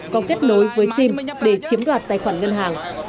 có kết nối với sim để chiếm đoạt tài khoản ngân hàng